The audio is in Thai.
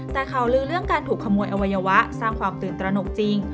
แต่ข่าวลือเรื่องการถูกขโมยอวัยวะสร้างความตื่นตระหนกจริง